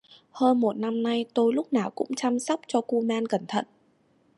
Hơn một năm nay tôi lúc nào cũng chăm sóc cho kuman cẩn thận